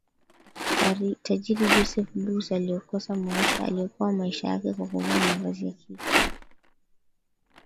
tajiri joseph bruce aliokoa maisha yake kwa kuvaa mavazi ya kike